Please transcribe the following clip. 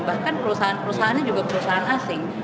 bahkan perusahaan perusahaannya juga perusahaan asing